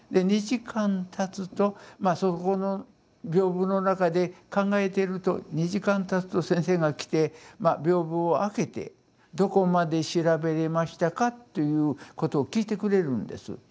で２時間たつとまあそこの屏風の中で考えていると２時間たつと先生が来て屏風を開けてどこまで調べれましたかということを聞いてくれるんです。